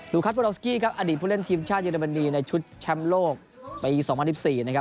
ลูคัทโพดอกสกี้อดีตผู้เล่นทีมชาติเยอรมนีในชุดแชมป์โลกปี๒๐๑๔